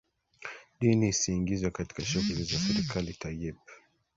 dini isiingizwe katika shughuli za serekali Tayyip